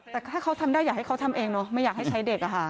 แต่ถ้าเขาทำได้อยากให้เขาทำเองเนอะไม่อยากให้ใช้เด็กอะค่ะ